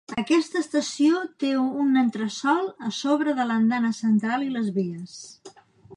Aquesta estació té un entresòl a sobre de l'andana central i les vies.